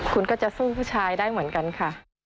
คุณก็จะสู้ผู้ชายได้เหมือนกันค่ะ